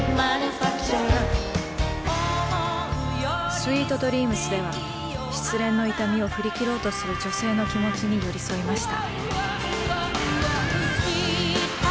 「ＳＷＥＥＴＤＲＥＡＭＳ」では失恋の痛みを振り切ろうとする女性の気持ちに寄り添いました。